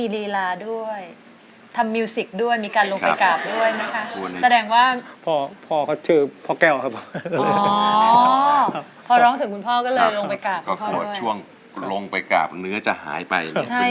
รวมลงไปกราบเนื้อจากหายไป